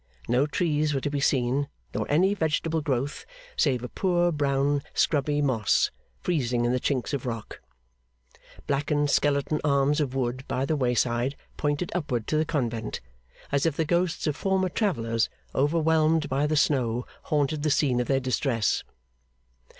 No trees were to be seen, nor any vegetable growth save a poor brown scrubby moss, freezing in the chinks of rock. Blackened skeleton arms of wood by the wayside pointed upward to the convent as if the ghosts of former travellers overwhelmed by the snow haunted the scene of their distress.